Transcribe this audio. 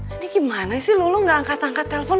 ini gimana sih lu gak angkat angkat telepon